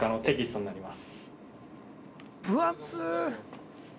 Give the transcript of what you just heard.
「分厚っ！」